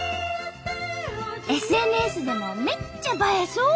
ＳＮＳでもめっちゃ映えそう！